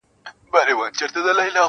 ما یې پر ګودر ټوټې لیدلي د بنګړیو-